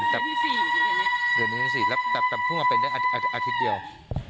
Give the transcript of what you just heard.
นี่สิเดือนนี้สิแล้วพึ่งมาเป็นอาทิตย์เดียว